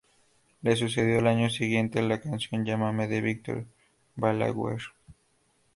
Le sucedió al año siguiente la canción Llámame de Víctor Balaguer.